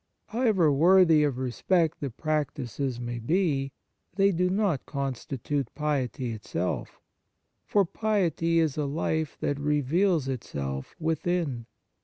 However worthy of respect the prac tices may be, they do not constitute piety itself; for piety is a life that reveals itself within.